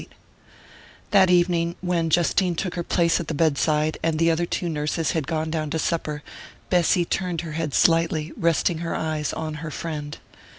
XXVIII THAT evening, when Justine took her place at the bedside, and the other two nurses had gone down to supper, Bessy turned her head slightly, resting her eyes on her friend.